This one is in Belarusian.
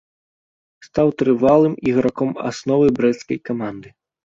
Стаў трывалым іграком асновы брэсцкай каманды.